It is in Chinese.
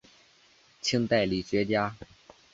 清代理学家。